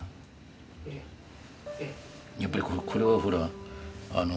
やっぱりこれはほらあの。